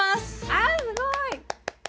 あすごい！